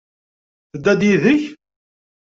Tedda-d yid-k?